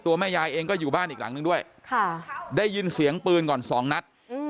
แม่ยายเองก็อยู่บ้านอีกหลังนึงด้วยได้ยินเสียงปืนก่อนสองนัด